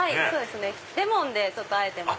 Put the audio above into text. レモンであえてます。